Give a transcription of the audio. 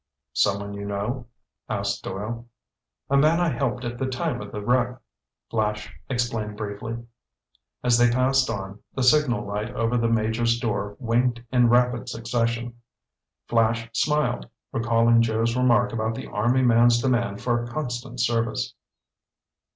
"Someone you know?" asked Doyle. "A man I helped at the time of the wreck," Flash explained briefly. As they passed on, the signal light over the Major's door winked in rapid succession. Flash smiled, recalling Joe's remark about the army man's demand for constant service.